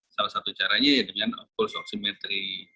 salah satu caranya adalah dengan puls oksimetri